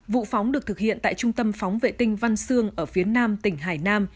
vụ phóng được thực hiện tại trung tâm phóng vệ tinh văn sương ở phía nam tỉnh hải nam